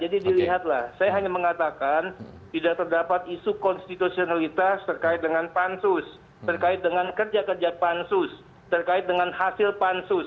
jadi dilihatlah saya hanya mengatakan tidak terdapat isu konstitusionalitas terkait dengan pansus terkait dengan kerja kerja pansus terkait dengan hasil pansus